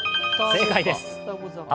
正解です。